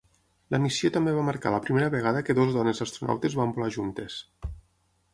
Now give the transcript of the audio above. La missió també va marcar la primera vegada que dues dones astronautes van volar juntes.